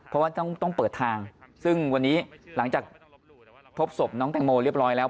เพราะว่าต้องเปิดทางซึ่งวันนี้หลังจากพบศพน้องแตงโมเรียบร้อยแล้ว